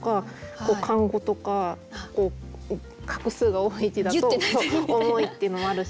こう漢語とか画数が多い字だと重いっていうのもあるし。